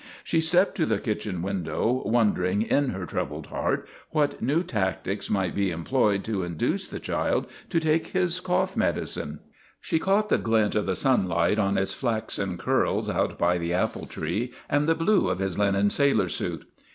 She stepped to the kitchen window, wondering, in her troubled heart, what new tactics might be employed to induce the child to take his cough medicine. She caught the glint of the sunlight on his flaxen curls out by the apple tree, and the blue of his linen sailor suit.